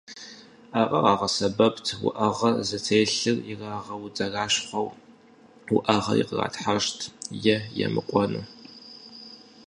Аркъэр къагъэсэбэпт уӏэгъэ зытелъыр ирагъэудэращхъуэу, уӏэгъэри къратхьэщӏт е емыкӏуэну.